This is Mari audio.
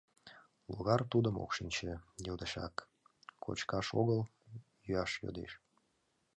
Логар тудым ок шинче, йодешак... кочкаш огыл, йӱаш йодеш...